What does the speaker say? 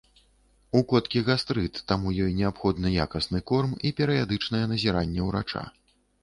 У коткі гастрыт, таму ёй неабходны якасны корм і перыядычнае назіранне ўрача.